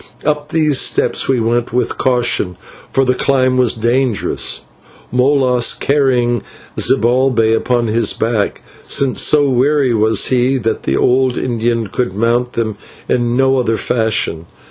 Up these steps we went with caution, for the climb was dangerous, Molas carrying Zibalbay upon his broad back, since so weary was he that the old Indian could mount them in no other fashion.